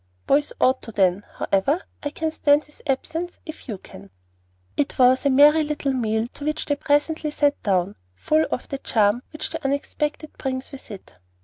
"Boys ought to, then. However, I can stand his absence, if you can!" It was a very merry little meal to which they presently sat down, full of the charm which the unexpected brings with it.